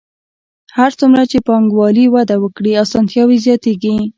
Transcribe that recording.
هر څومره چې پانګوالي وده وکړي اسانتیاوې زیاتېږي